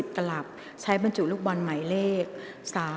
กรรมการท่านที่ห้าได้แก่กรรมการใหม่เลขเก้า